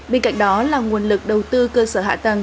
bên cạnh đó là nguồn lực đầu tư cơ sở hạ tầng